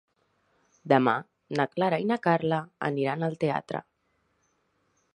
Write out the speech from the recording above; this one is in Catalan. Demà na Clara i na Carla aniran al teatre.